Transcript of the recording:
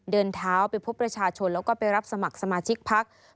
เดินเท้าไปพบประชาชนแล้วก็ไปรับสมัครสมาชิกพัก